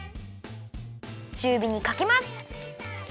ちゅうびにかけます。